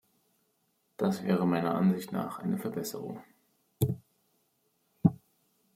Das wäre meiner Ansicht nach eine Verbesserung.